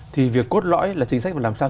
thì việc cốt lõi là chính sách và làm sao